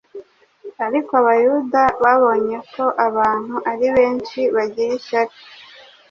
Ariko Abayuda babonye ko abantu ari benshi bagira ishyari